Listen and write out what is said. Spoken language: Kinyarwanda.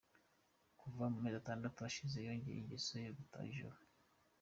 Kuva mumezi atandatu ashize yongeye ingeso yo gutaha ijoro.